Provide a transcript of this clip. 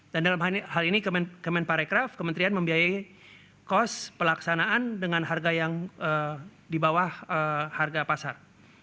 dan dalam hal ini kemen parekraf kementerian membiayai kos pelaksanaan dengan harga yang di bawah harga pasar